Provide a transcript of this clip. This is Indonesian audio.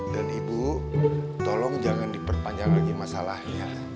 dan ibu tolong jangan diperpanjang lagi masalahnya